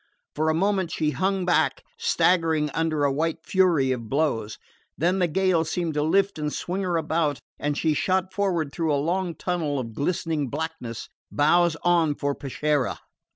For a moment she hung back, staggering under a white fury of blows; then the gale seemed to lift and swing her about and she shot forward through a long tunnel of glistening blackness, bows on for Peschiera.